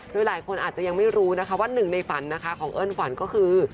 โดยหลายคนอาจจะยังไม่รู้นะคะว่าหนึ่งในฝันนะคะของเอิ้นฝันก็คือ